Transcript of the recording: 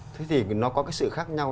thế thì nó có cái sự khác nhau